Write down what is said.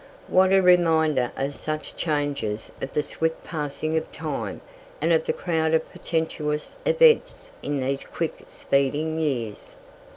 What a reminder are such changes of the swift passing of time and of the crowd of portentous events in these quick speeding years.